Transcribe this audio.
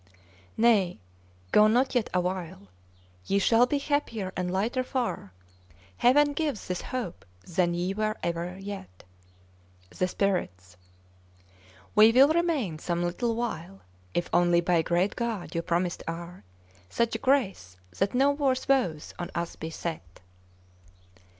'Nay, go not yet awhile! Ye shall be happier and lighter far Heaven gives this hope than ye were ever yet! 'The Spirits. 'We will remain some little while, If only by great God you promised are Such grace that no worse woes on us be set.